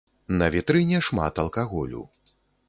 На вітрыне шмат алкаголю.